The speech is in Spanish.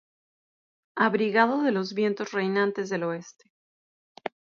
Abrigado de los vientos reinantes del oeste.